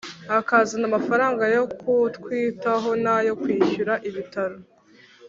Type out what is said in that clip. akazana amafaranga yo kutwitaho nayo kwishyura ibitaro"